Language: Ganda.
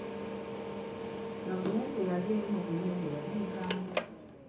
Gavumenti eyali eri mu buyinza yali nkambwe.